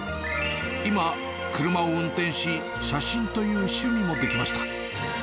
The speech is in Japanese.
今、車を運転し、写真という趣味もできました。